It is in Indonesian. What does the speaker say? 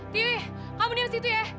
tiwi kamu diam situ ya